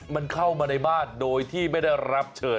มันเข้ามาในบ้านโดยที่ไม่ได้รับเชิญ